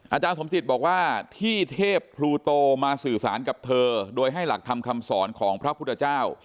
อาจารย์สมจิตบอกว่าที่เทพพลูโตมาสื่อสารกับเธอโดยให้หลักธรรมคำสอนของพระพุทธเจ้า